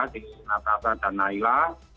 di nakasa dan naila